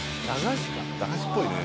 駄菓子っぽいね。